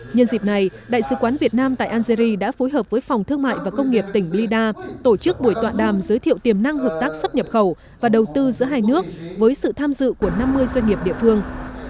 nhân dịp này đại sứ quán việt nam tại algeri đã phối hợp với phòng thương mại và công nghiệp tỉnh blida tổ chức buổi tọa đàm giới thiệu tiềm năng hợp tác xuất nhập khẩu và đầu tư giữa hai nước với sự tham dự của năm mươi doanh nghiệp địa phương